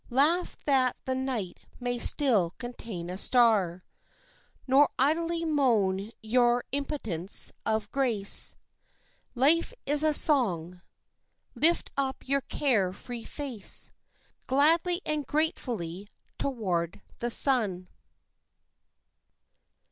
Laugh that the night may still contain a star, Nor idly moan your impotence of grace. Life is a song, lift up your care free face Gladly and gratefully toward the sun.